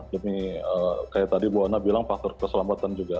demi kayak tadi bu anna bilang faktor keselamatan juga